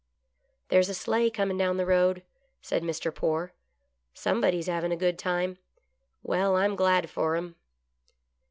" There's a sleigh coming down the road," said Mr. Poore. "Somebody's havin' a good time Well, I'm glad fer 'em."